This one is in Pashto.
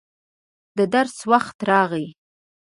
د درس وخت راغی.